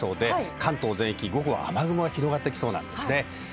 関東全域、午後は雨雲が広がってきそうです。